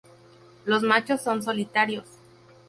Los machos son solitarios.